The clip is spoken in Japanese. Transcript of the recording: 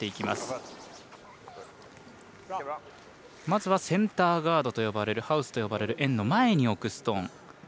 まずはセンターガードと呼ばれる円の前に置くストーン。